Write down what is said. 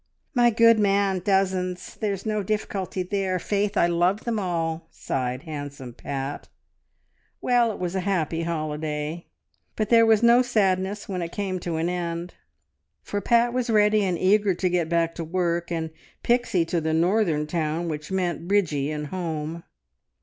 "My good man! Dozens! There's no difficulty there. Faith, I love them all!" sighed handsome Pat. Well, it was a happy holiday, but there was no sadness when it came to an end, for Pat was ready and eager to get back to work, and Pixie to the northern town which meant Bridgie and home.